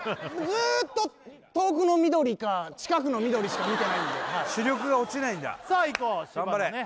ずーっと遠くの緑か近くの緑しか見てないんで視力が落ちないんださあいこう芝のね